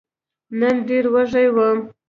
نن ډېر وږی وم !